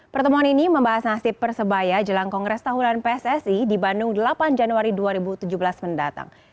pertemuan ini membahas nasib persebaya jelang kongres tahunan pssi di bandung delapan januari dua ribu tujuh belas mendatang